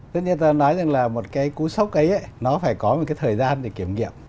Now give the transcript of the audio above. tất nhiên ta nói rằng là một cái cú sốc ấy nó phải có một cái thời gian để kiểm nghiệm